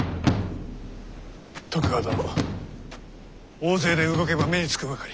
大勢で動けば目に付くばかり。